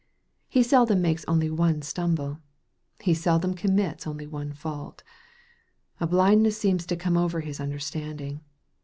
He seldom makes only one stumble. He seldom commits only one fault. A blindness seems to come over his understanding.